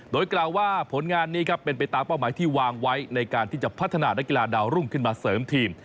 โดยกล่าวว่าผลงานนี้ครับเป็นไปตามเป้าหมายที่วางไว้ในการที่จะพัฒนานักกีฬาดาวรุ่งขึ้นมาเสริมทีม